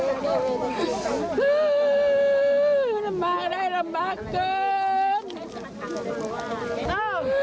ลำบากได้ลำบากเกิน